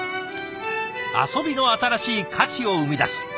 遊びの新しい価値を生み出す。